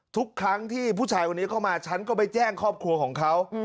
ทุกครั้งที่ผู้ชายคนนี้เข้ามาฉันก็ไปแจ้งครอบครัวของเขา